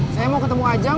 saya mau ketemu ajeng